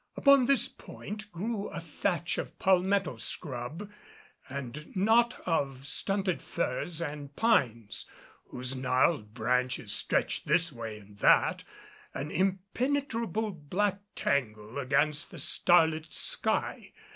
Upon this point grew a thatch of palmetto scrub and knot of stunted firs and pines, whose gnarled branches stretched this way and that, an impenetrable black tangle against the starlit sky.